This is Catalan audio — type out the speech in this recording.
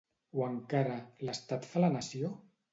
O encara: l’estat fa la nació?